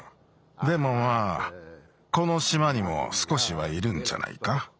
でもまあこのしまにもすこしはいるんじゃないか。